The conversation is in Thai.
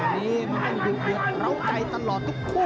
วันนี้มันเป็นบึกเบื่อกราวใจตลอดทุกคู่